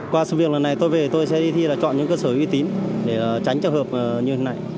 qua sự việc lần này tôi về tôi sẽ đi thi là chọn những cơ sở y tín để tránh trường hợp như thế này